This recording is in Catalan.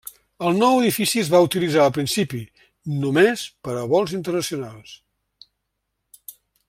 El nou edifici es va utilitzar al principi, només per a vols internacionals.